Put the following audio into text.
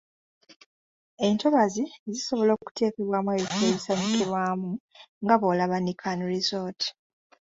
Entobazi zisobola okuteekebwamu ebifo ebisanyukirwamu nga bw’olaba Nican Resort.